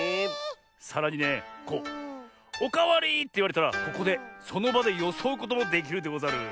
さらにねこう「おかわり！」っていわれたらここでそのばでよそうこともできるでござる。